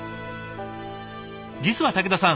実は武田さん